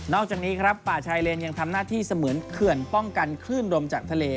อกจากนี้ครับป่าชายเลนยังทำหน้าที่เสมือนเขื่อนป้องกันคลื่นลมจากทะเล